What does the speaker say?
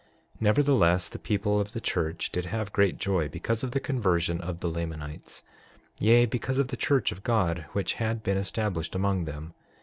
6:3 Nevertheless, the people of the church did have great joy because of the conversion of the Lamanites, yea, because of the church of God, which had been established among them.